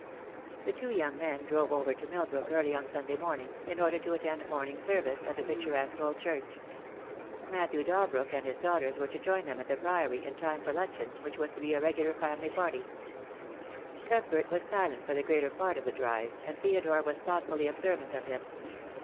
The two young men drove over to Milbrook early on Sunday morning, in order to attend morning service at the picturesque old church. Matthew Dalbrook and THE DAY WILL COME. I 57 his daughters were to join them at the Priory in time for luncheon, which was to be a regular family party. Cuthbert was silent for the greater part of the drive, and Theodore was thoughtfully observant of him.